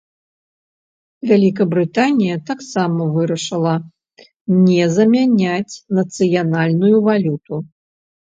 Вялікабрытанія таксама вырашыла не замяняць нацыянальную валюту.